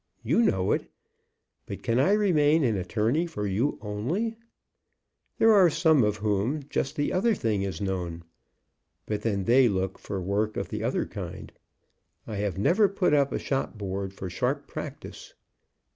You know it. But can I remain an attorney for you only? There are some of whom just the other thing is known; but then they look for work of the other kind. I have never put up a shop board for sharp practice.